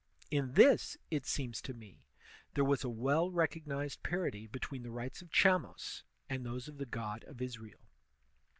* In this, it seems to me, there was a well recognized par CIVIL RELIGION ii; ity between the rights of Chamos and those of the god of Israel.